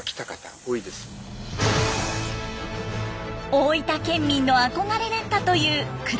大分県民の憧れだったという黒島。